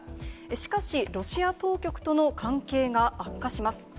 しかし、ロシア当局との関係が悪化します。